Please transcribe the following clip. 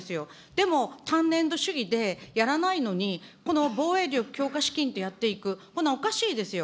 でも単年度主義でやらないのに、この防衛力強化資金とやっていく、おかしいですよ。